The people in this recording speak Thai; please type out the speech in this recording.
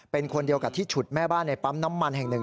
เป็นคนเดียวกับที่ฉุดแม่บ้านในปั๊มน้ำมันแห่งหนึ่ง